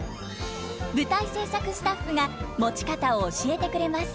舞台制作スタッフが持ち方を教えてくれます。